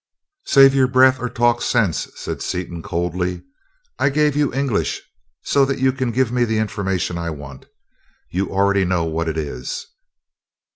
"Save your breath or talk sense," said Seaton, coldly. "I gave you English so that you can give me the information I want. You already know what it is.